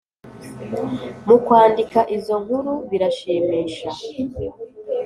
mu kwandika izo nkuru birashimisha